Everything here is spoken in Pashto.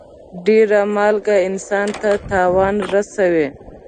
ډېر مالګه انسان ته تاوان رسوي.